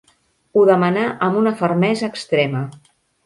Ho demanà amb una fermesa extrema.